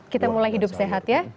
kita mulai hidup sehat ya